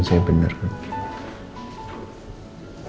tapi mana kayaknya dalam dari semua ini